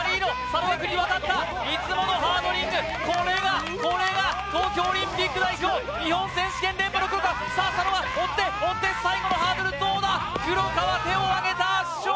佐野岳に渡ったいつものハードリングこれがこれが東京オリンピック代表日本選手権連覇の黒川さあ佐野は追って追って最後のハードルどうだ黒川手をあげた圧勝